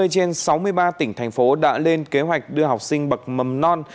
ba mươi trên sáu mươi ba tỉnh thành phố đã lên kế hoạch đưa học sinh bậc mầm non